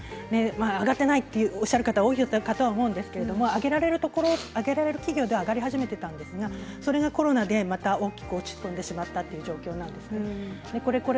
上がっていないとおっしゃる方多いと思うんですけども上げられる企業は上がり始めていたんですがそれがコロナ禍で大きく落ち込んでしまったという状況なんです。